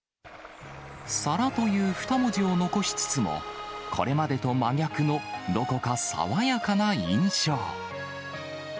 サラという２文字を残しつつも、これまでと真逆の、どこか爽やかな印象。